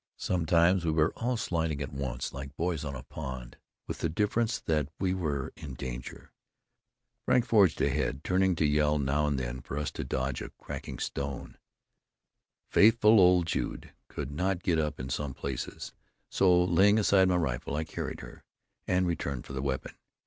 Sometimes we were all sliding at once, like boys on a pond, with the difference that we were in danger. Frank forged ahead, turning to yell now and then for us to dodge a cracking stone. Faithful old Jude could not get up in some places, so laying aside my rifle, I carried her, and returned for the weapon.